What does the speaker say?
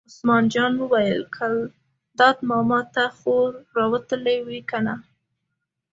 عثمان جان وویل: ګلداد ماما ته خو را وتلې وې کنه.